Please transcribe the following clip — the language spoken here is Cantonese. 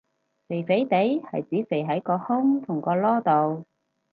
肥肥哋係指肥喺個胸同個籮度